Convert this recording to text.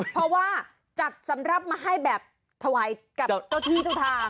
เพราะว่าจัดสำหรับมาให้แบบถวายกับเจ้าที่เจ้าทาง